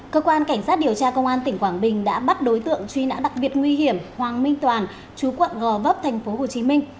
cơ quan cảnh sát điều tra công an tỉnh quảng bình đã bắt đối tượng truy nã đặc biệt nguy hiểm hoàng minh toàn chú quận gò vấp tp hcm